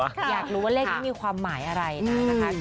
อยากรู้ว่าเลขนี้มีความหมายอะไรนะนะคะ